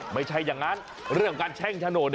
ไม่ใช่อย่างนั้นเรื่องการแช่งถนน